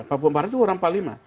pak pembaru itu orang panglima